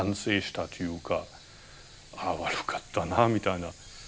悪かったなみたいな。